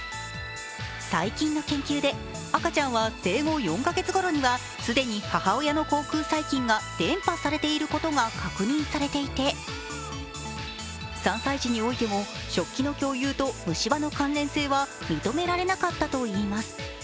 最近の研究で、赤ちゃんは生後４か月ごろには既に母親の口腔細菌が伝ぱされていることが確認されていて３歳児においても食器の共有と虫歯の関連性は認められなかったといいます。